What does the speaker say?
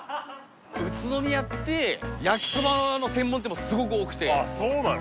宇都宮って焼きそばの専門店もすごく多くてあっそうなの？